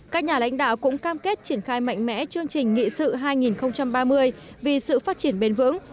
các nhà lãnh đạo cũng cam kết triển khai mạnh mẽ chương trình nghị sự hai nghìn ba mươi vì sự phát triển bền vững